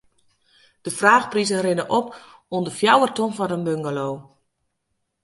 De fraachprizen rinne op oant de fjouwer ton foar in bungalow.